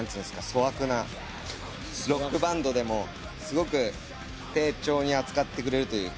粗悪なロックバンドでもすごく丁重に扱ってくれるというか。